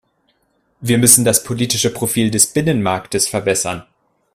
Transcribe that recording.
Wir müssen das politische Profil des Binnenmarktes verbessern.